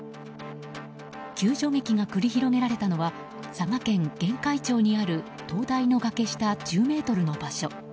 救助劇が繰り広げられたのは佐賀県玄海町にある灯台の崖下１０ｍの場所。